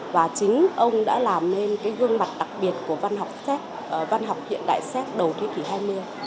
và chính ông đã làm nên cái gương mặt đặc biệt của văn học xéc văn học hiện đại séc đầu thế kỷ hai mươi